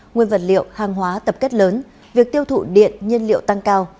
nguyên vật liệu hàng hóa tập kết lớn việc tiêu thụ điện nhân liệu tăng cao